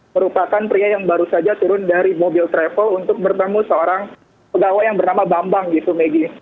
merupakan pria yang baru saja turun dari mobil travel untuk bertemu seorang pegawai yang bernama bambang gitu megi